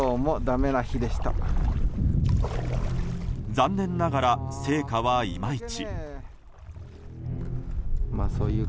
残念ながら成果はいまいち。